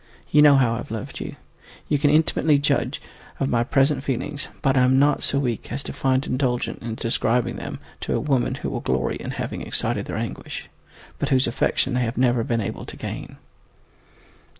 You know how I have loved you; you can intimately judge of my present feelings, but I am not so weak as to find indulgence in describing them to a woman who will glory in having excited their anguish, but whose affection they have never been able to gain.